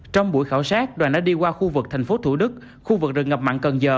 trong buổi khảo sát đoàn đã đi qua khu vực thành phố thủ đức khu vực rừng ngập mặn cần giờ